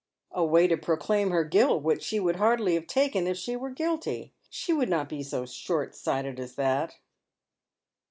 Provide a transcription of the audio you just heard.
" A way to proclaim her guilt, which she would hardly have taken if she were guilty. She would not be so short sighted as that."